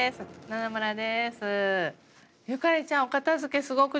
野々村です。